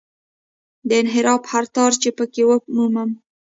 د انحراف هر تار چې په کې ومومم.